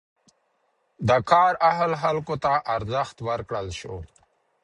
د کار اهل خلکو ته ارزښت ورکړل شو.